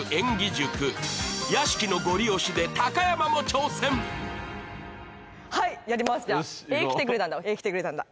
塾屋敷のゴリ押しで高山も挑戦はいやりますじゃあ「えー！来てくれたんだ！」を「えー！来てくれたんだ！」